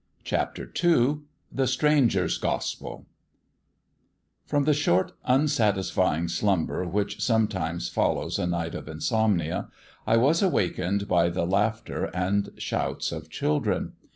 CHAPTER II THE STRANGER'S GOSPEL From the short unsatisfying slumber which sometimes follows a night of insomnia I was awakened by the laughter and shouts of children.